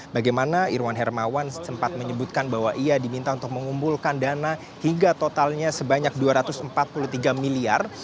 bagaimana irwan hermawan sempat menyebutkan bahwa ia diminta untuk mengumpulkan dana hingga totalnya sebanyak dua ratus empat puluh tiga miliar